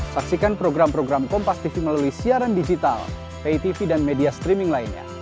saksikan program program kompastv melalui siaran digital pitv dan media streaming lainnya